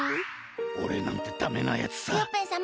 おれなんてダメなやつさ。